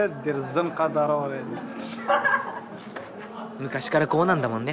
昔からこうなんだもんね。